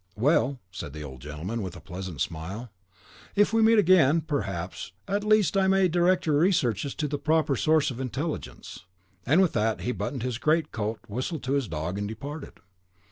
"Well," said the old gentleman, with a pleasant smile, "if we meet again, perhaps, at least, I may direct your researches to the proper source of intelligence." And with that he buttoned his greatcoat, whistled to his dog, and departed.